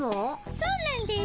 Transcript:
そうなんです。